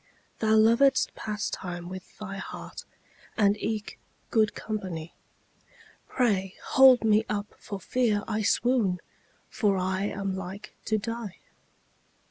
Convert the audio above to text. Thou lovedst pastime with thy heart, And eke good company; Pray hold me up for fear I swoon, For I am like to die.